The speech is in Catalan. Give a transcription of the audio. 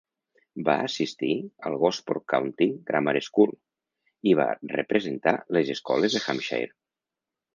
Va assistir al Gosport County Grammar School, i va representar les escoles de Hampshire.